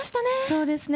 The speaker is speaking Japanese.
そうですね。